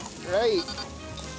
はい。